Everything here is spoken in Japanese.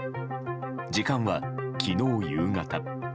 時間は昨日夕方。